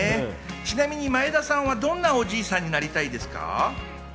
ちなみに前田さんはどんなおじいさんになりたいですか？